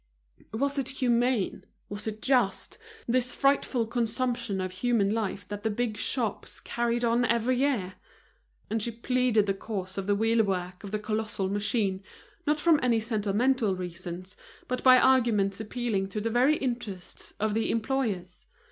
Was it humane, was it just, this frightful consumption of human life that the big shops carried on every year? And she pleaded the cause of the wheel work of the colossal machine, not from any sentimental reasons, but by arguments appealing to the very interests of the employers.